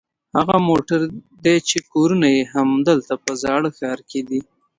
هغه موټر دي چې کورونه یې همدلته په زاړه ښار کې دي.